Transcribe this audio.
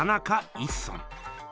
一村？